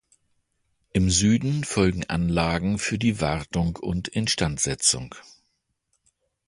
Im Süden folgen Anlagen für die Wartung und Instandsetzung.